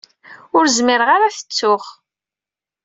Ur zmireɣ ara ad t-ttuɣ.